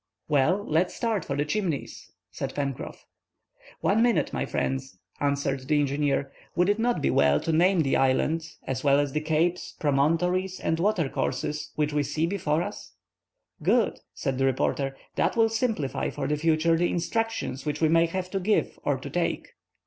"Well, let's start for the Chimneys," said Pencroff. "One minute, my friends," answered the engineer; "would it not be well to name the island, as well as the capes, promontories, and water courses, which we see before us?" "Good," said the reporter. "That will simplify for the future the instructions which we may have to give or to take."